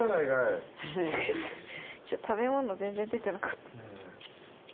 食べ物全然出てなかった。